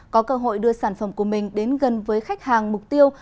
có cơ hội đưa sản phẩm của mình đến gần với khách hàng mục tiêu